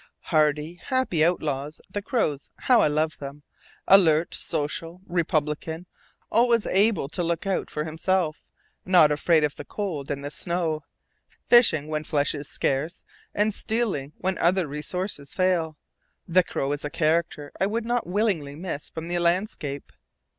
Hardy, happy outlaws, the crows, how I love them! Alert, social, republican, always able to look out for himself, not afraid of the cold and the snow, fishing when flesh is scarce, and stealing when other resources fail, the crow is a character I would not willingly miss from the landscape.